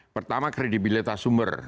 pertama kredibilitas sumber